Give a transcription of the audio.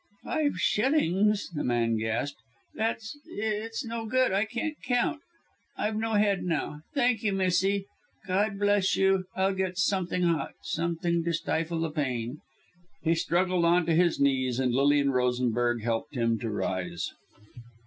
"Five shillings!" the man gasped; "that's it's no good I can't count. I've no head now. Thank you, missy! God bless you. I'll get something hot something to stifle the pain." He struggled on to his knees, and Lilian Rosenberg helped him to rise.